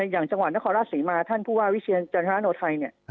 อย่างจังหวัดนครราชศรีมาร์ท่านผู้ว่าวิทยาลัยธรรมไทย